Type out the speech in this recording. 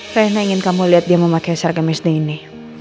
rena ingin kamu lihat dia memakai sarga mesni ini